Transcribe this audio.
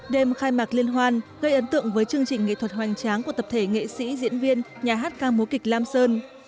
đêm khai mạc liên hoan gây ấn tượng với chương trình nghệ thuật hoành tráng của tập thể nghệ sĩ diễn viên nhà hát ca múa kịch lam sơn